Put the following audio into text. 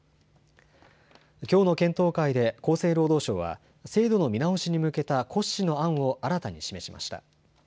きょうの検討会で厚生労働省は制度の見直しに向けた骨子の案を新たに示しました。